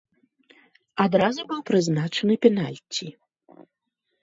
Адразу быў прызначаны пенальці.